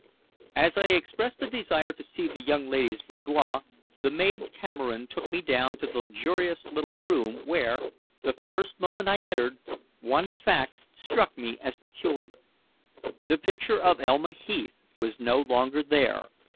As I expressed a desire to see the young lady's boudoir, the maid Cameron took me down to the luxurious little room where, the first moment I entered, one fact struck me as peculiar. The picture of Elma Heath was no longer there.